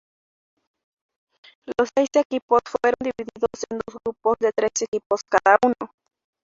Los seis equipos fueron divididos en dos grupos de tres equipos cada uno.